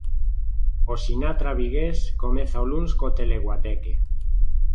O Sinatra vigués comeza o luns co teleguateque.